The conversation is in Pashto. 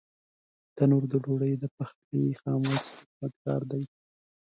تنور د ډوډۍ د پخلي خاموش خدمتګار دی